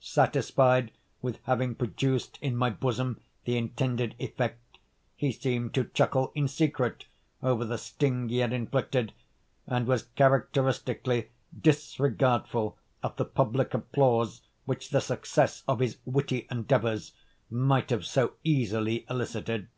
Satisfied with having produced in my bosom the intended effect, he seemed to chuckle in secret over the sting he had inflicted, and was characteristically disregardful of the public applause which the success of his witty endeavours might have so easily elicited.